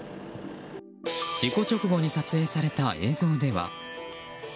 事故直後に撮影された映像では。